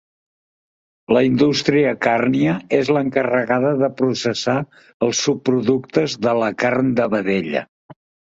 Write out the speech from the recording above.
La indústria càrnia és l'encarregada de processar els subproductes de la carn de vedella.